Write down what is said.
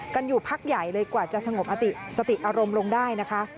อยู่พักใหญ่เลยกว่าจะสงบสติอารมณ์ลงได้นะคะ